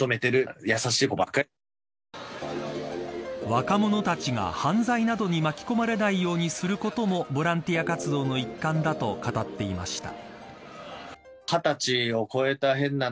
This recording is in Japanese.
若者たちが犯罪などに巻き込まれないようにすることもボランティア活動の一環だと語っていました。